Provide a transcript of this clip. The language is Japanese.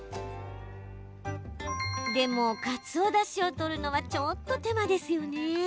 でも、かつおだしを取るのはちょっと手間ですよね。